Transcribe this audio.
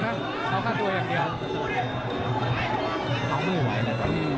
อเจมส์เอาไม่ไหวนะครับอเจมส์อืมโชว์เลยตอนนี้